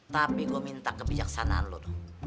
tapi gue minta kebijaksanaan lo